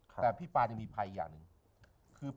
แต่พี่ปานยังมีภัยอย่างหนึ่ง